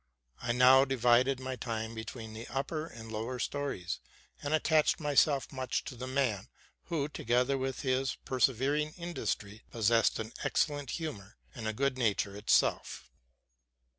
I now divided my time between the upper and lower stories, and attached myself much to the man, who, together with his persevering industry, possessed an excel lent humor, and was good nature itself.